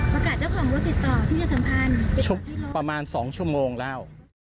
ประกาศเจ้าของที่ติดต่อที่เฉพาะสัมภัณฑ์ประมาณ๒ชั่วโมงแล้ว